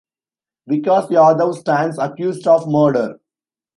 Vikas Yadav stands accused of murder.